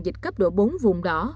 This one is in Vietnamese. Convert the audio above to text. dịch cấp độ bốn vùng đỏ